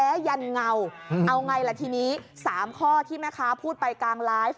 ยันเงาเอาไงล่ะทีนี้๓ข้อที่แม่ค้าพูดไปกลางไลฟ์